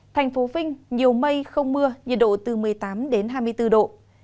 thành phố vinh nhiều mây không mưa nhiệt độ từ một mươi tám đến hai mươi bốn độ